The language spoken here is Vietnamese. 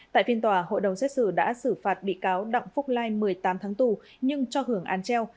tại phiên tòa hội đồng xét xử đã xử phạt bị cáo đặng phúc lai một mươi tám tháng tù nhưng cho hưởng án treo